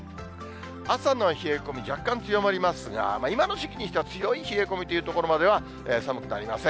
朝の冷え込み、若干強まりますが、今の時期にしては強い冷え込みというところまでは寒くなりません。